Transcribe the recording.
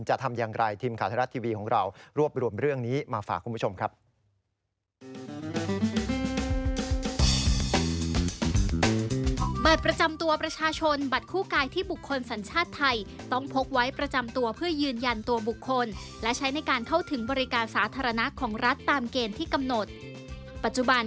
จะทำอย่างไรทีมขาวธรรมชาติทวีของเรา